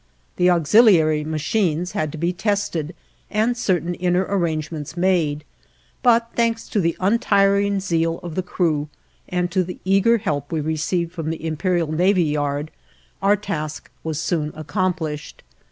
The auxiliary machines had to be tested and certain inner arrangements made; but, thanks to the untiring zeal of the crew and to the eager help we received from the Imperial Navy Yard, our task was soon accomplished.